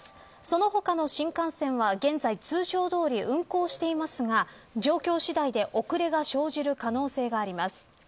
その他の新幹線は現在、通常どおり運行していますが状況次第で遅れが生じる可能性があります。